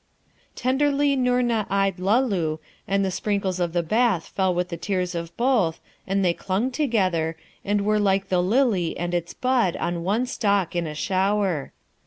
Tenderly Noorna eyed Luloo, and the sprinkles of the bath fell with the tears of both, and they clung together, and were like the lily and its bud on one stalk in a shower.